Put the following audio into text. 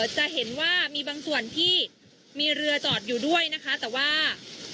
จะเห็นว่ามีบางส่วนที่มีเรือจอดอยู่ด้วยนะคะแต่ว่า